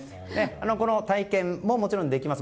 この体験ももちろんできます。